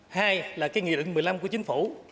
hai là cái nghị định một mươi năm của chính phủ